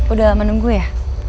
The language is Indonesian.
udah lama nunggu ya